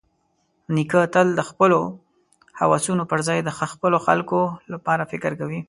نیکه تل د خپلو هوسونو پرځای د خپلو خلکو لپاره فکر کوي.